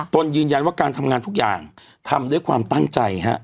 ตนยืนยันว่าการทำงานทุกอย่างทำด้วยความตั้งใจฮะ